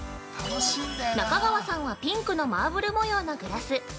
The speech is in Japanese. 中川さんはピンクのマーブル模様のグラス。